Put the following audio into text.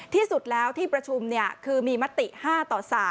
ที่สุดแล้วที่ประชุมคือมีมติ๕ต่อ๓